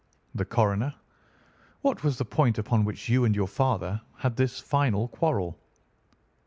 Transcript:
"The Coroner: What was the point upon which you and your father had this final quarrel?